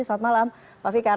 selamat malam pak fikar